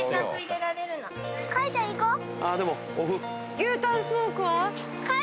牛タンスモークは？